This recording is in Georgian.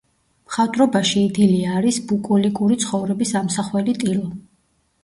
მხატვრობაში იდილია არის ბუკოლიკური ცხოვრების ამსახველი ტილო.